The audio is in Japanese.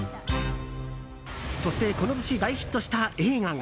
そして、この年大ヒットした映画が。